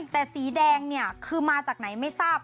แต่สีแดงเนี่ยคือมาจากไหนไม่ทราบ